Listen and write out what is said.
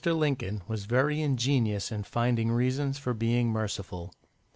Lincoln was very ingenious in finding reasons for being merciful.